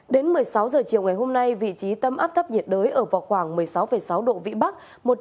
đến một mươi sáu h chiều ngày hôm nay vị trí tâm áp thấp nhiệt đới ở vào khoảng một mươi sáu sáu độ vĩ bắc